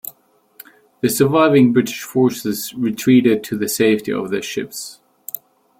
The surviving British forces retreated to the safety of their ships.